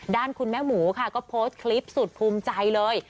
ด้านคุณแม่หมูค่ะก็โพสต์คลิปสุดภูมิใจเลย